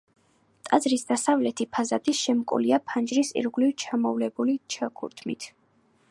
ტაძრის დასავლეთი ფასადი შემკულია ფანჯრის ირგვლივ შემოვლებული ჩუქურთმით.